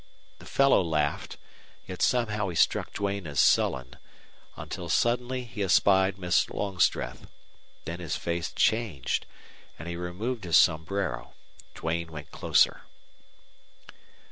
The fellow laughed, yet somehow he struck Duane as sullen, until suddenly he espied Miss Longstreth. Then his face changed, and he removed his sombrero. Duane went closer.